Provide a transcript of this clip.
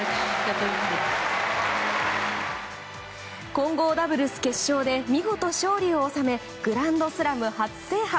混合ダブルス決勝で見事勝利を収めグランドスラム初制覇。